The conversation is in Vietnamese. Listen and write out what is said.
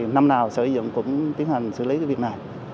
năm nào sở hữu dụng cũng tiến hành xử lý việc này